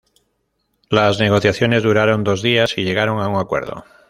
Las negociaciones duraron dos días y llegaron a un acuerdo.